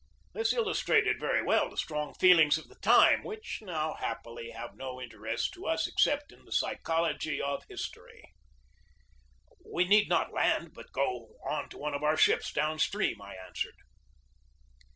This illustrated very well the strong feel ings of the time, which now, happily, have no inter est for us except in the psychology of history. 102 GEORGE DEWEY "We need not land, but go to one of our ships downstream," I answered.